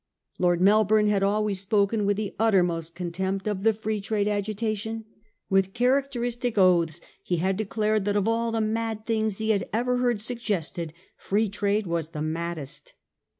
Lord Melbourne had always spoken with the uttermost contempt of the Free Trade agi tation. With characteristic oaths, he had declared that of all the mad things he had ever heard sug gested Free Trade was the maddest.